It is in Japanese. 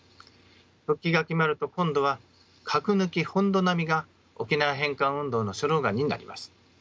復帰が決まると今度は核抜き・本土並みが沖縄返還運動のスローガンになります。